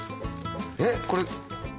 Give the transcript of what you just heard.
えっこれ。